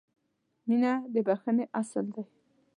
• مینه د بښنې اصل دی.